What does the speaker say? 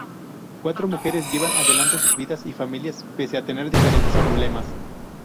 Cuatro mujeres, llevan adelante sus vidas y familias, pese a tener diferentes problemas.